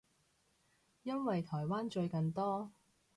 因為台灣最近多